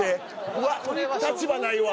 うわっ立場ないわ。